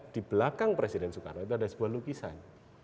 di belakang presiden soekarno itu ada sebuah lukisan